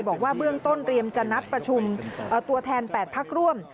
บอกว่าเบื้องต้นเตรียมจะนัดประชุมตัวแทน๘พักร่วม